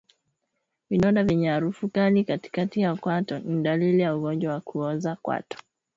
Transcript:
Vidonda vyenye harufu kali katikati ya kwato ni dalili ya ugonjwa wa kuoza kwato